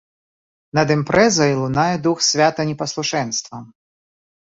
Над імпрэзай лунае дух свята непаслушэнства.